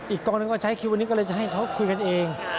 อีกกองหนึ่งก็ใช้คิววันนี้ก็เลยจะให้เขาคุยกันเอง